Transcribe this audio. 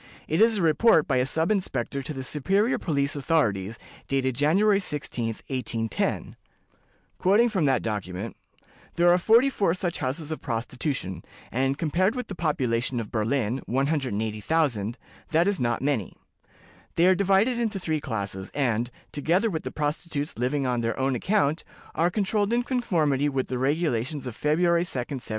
It is a report by a sub inspector to the superior police authorities, dated January 16, 1810. "There are forty four such houses of prostitution, and, compared with the population of Berlin, 180,000, that is not many. They are divided into three classes, and, together with the prostitutes living on their own account, are controlled in conformity with the regulations of February 2d, 1792.